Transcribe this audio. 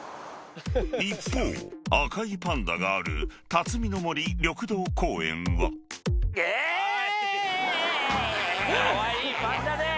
［一方赤いパンダがある辰巳の森緑道公園は］カワイイパンダです。